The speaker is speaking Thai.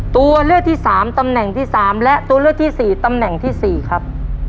ตัวเลือกที่๓ตำแหน่งที่๓และตัวเลือกที่๔ตำแหน่งที่๔ครับ